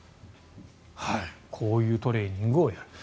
こういうトレーニングをやる。